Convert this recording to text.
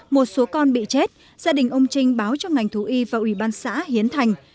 một số con bị chết gia đình ông trinh báo cho ngành thú y và ủy ban xã hiến thành